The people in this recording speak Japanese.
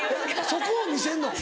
そこを見せる。